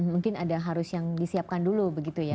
mungkin ada harus yang disiapkan dulu begitu ya